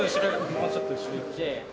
もうちょっと後ろ行ってあの。